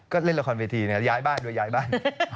ก็เล่นละครเวทีเนี่ยย้ายบ้านด้วยย้ายบ้าน